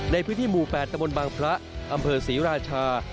ในพื้นที่หมู่๘ตะบนบางพระอำเภอศรีราชา